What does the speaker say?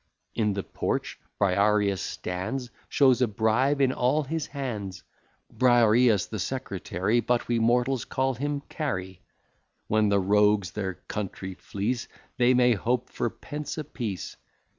In the porch Briareus stands, Shows a bribe in all his hands; Briareus the secretary, But we mortals call him Carey. When the rogues their country fleece, They may hope for pence a piece.